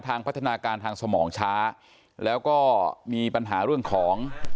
พัฒนาการทางสมองช้าแล้วก็มีปัญหาเรื่องของ